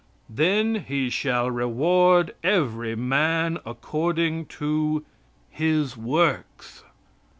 "Then he shall reward every man according to his works."